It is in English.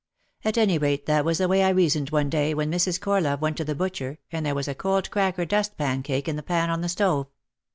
At any rate that was the way I reasoned one day, when Mrs. Corlove went to the butcher and there was a cold cracker dust pan cake in the pan on the stove.